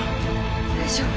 大丈夫？